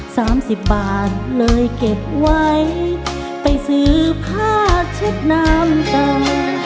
สามสิบบาทเลยเก็บไว้ไปซื้อผ้าเช็ดน้ำตา